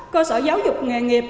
cơ sở giáo dục nghề nghiệp